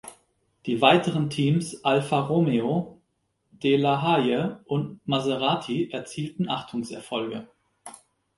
Die weiteren Teams Alfa Romeo, Delahaye und Maserati erzielten Achtungserfolge.